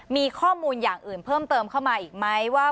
มีข้อมูลอย่างอื่นเพิ่มเติมเข้ามาอีกไหมว่า